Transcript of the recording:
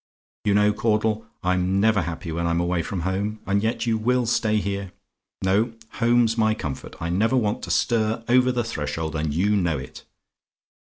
You know, Caudle, I'm never happy when I'm away from home; and yet you will stay here. No, home's my comfort! I never want to stir over the threshold, and you know it.